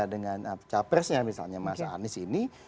dengan capresnya misalnya mas anies ini